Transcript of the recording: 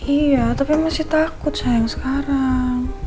iya tapi masih takut sayang sekarang